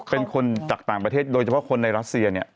เป็นคนจากต่างประเทศโดยเฉพาะคนในรัสเซียเนี่ย